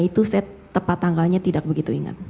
itu saya tepat tanggalnya tidak begitu ingat